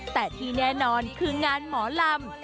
แต่ที่แน่นอนคืองานหมอลำ